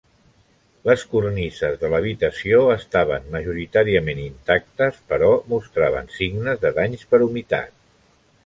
Les cornises de l'habitació estaven majoritàriament intactes, però mostraven signes de danys per humitat.